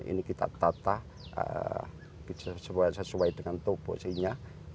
ini kita tata sesuai dengan toposisinya